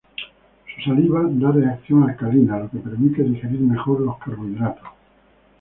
Su saliva da reacción alcalina, lo que permite digerir mejor los carbohidratos.